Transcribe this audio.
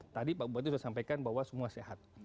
tadi pak bupati sudah sampaikan bahwa semua sehat